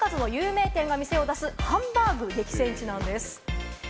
実は数々の有名店が店を出す、ハンバーグ激戦区なんです。